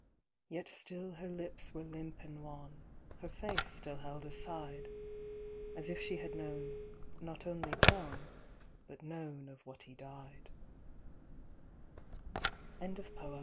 Yet still her lips were limp and wan, Her face still held aside, As if she had known not only John, But known of what he die